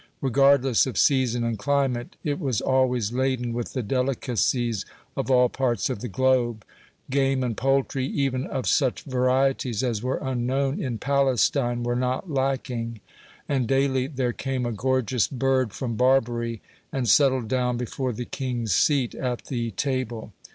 Regardless of season and climate, it was always laden with the delicacies of all parts of the globe. Game and poultry, even of such varieties as were unknown in Palestine, were not lacking, and daily there came a gorgeous bird from Barbary and settled down before the king's seat at the table.